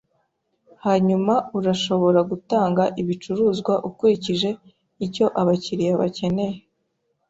hanyuma urashobora gutanga ibicuruzwa ukurikije icyo abakiriya bakeneye